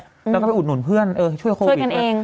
เราก็ไปอุดหนุนเพื่อนช่วยโควิด